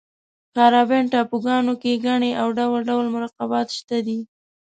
کارابین ټاپوګانو کې ګني او ډول ډول مرکبات شته دي.